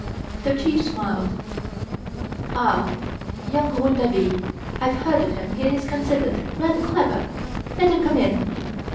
'" The Chief smiled. "Ah, young Rouletabille I've heard of him he is considered rather clever. Let him come in."